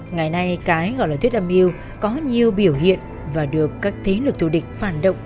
ngày nay cái gọi là thuyết âm mưu có nhiều biểu hiện và được các thế lực phản động